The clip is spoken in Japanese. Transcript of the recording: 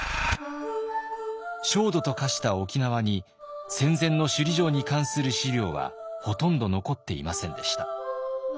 焦土と化した沖縄に戦前の首里城に関する資料はほとんど残っていませんでした。